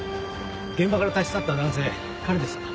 現場から立ち去った男性彼でしたか？